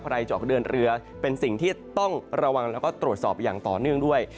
จะออกเดินเรือเป็นสิ่งที่ต้องระวังแล้วก็ตรวจสอบอย่างต่อเนื่องด้วย